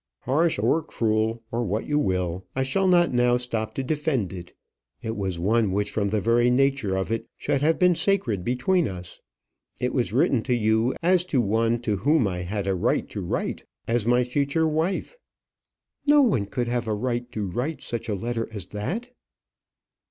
"Harsh or cruel, or what you will I shall not now stop to defend it it was one which from the very nature of it should have been sacred between us. It was written to you as to one to whom I had a right to write as my future wife." "No one could have a right to write such a letter as that."